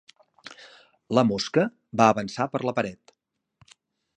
La mosca va avançar per la paret.